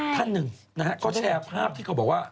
ท่านหนึ่งนะฮะเขาแชร์ภาพที่เขาบอกว่า